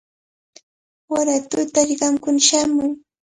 Waraqa tutalla qamkuna shamuy.